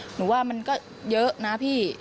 หนูว่ามันก็เยอะนะพี่